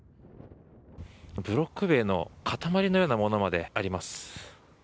ブロック塀の塊のようなものまであります。